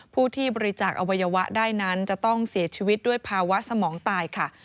ผู้ที่บริจาคอวัยวะได้นั้นจะต้องเสียชีวิตด้วยภาวะสมองตายค่ะ